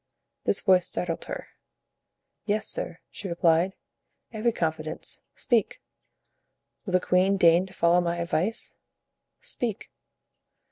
This voice startled her. "Yes, sir," she replied, "every confidence; speak." "Will the queen deign to follow my advice?" "Speak."